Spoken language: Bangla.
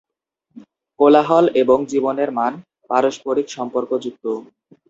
কোলাহল এবং জীবনের মান পারস্পরিক সম্পর্কযুক্ত।